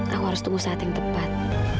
aku harus tunggu saat yang tepat